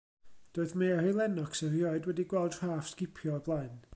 Doedd Mary Lennox erioed wedi gweld rhaff sgipio o'r blaen.